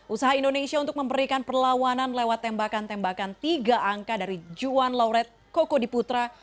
usaha indonesia untuk memberikan perlawanan lewat tembakan tembakan tiga angka dari juan lauret koko di putra